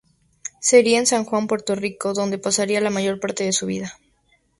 Sería en San Juan, Puerto Rico donde pasaría la mayor parte de su vida.